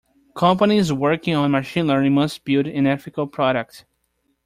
Companies working on Machine Learning must build an ethical product.